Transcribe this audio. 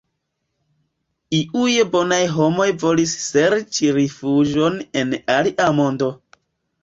Iuj bonaj homoj volis serĉi rifuĝon en alia mondo.